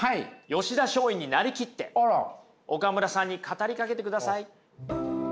吉田松陰になりきって岡村さんに語りかけてください。